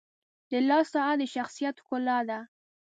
• د لاس ساعت د شخصیت ښکلا ده.